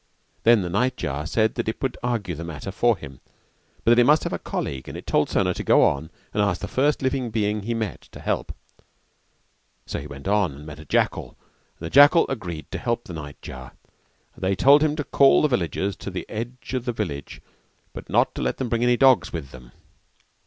Then the night jar said that it would argue the matter for him but it must have a colleague and it told Sona to go on and ask the first living being he met to help; so he went on and met a jackal and the jackal agreed to help the night jar, and they told him to call the villagers to the edge of the jungle and not to let them bring any dogs with them.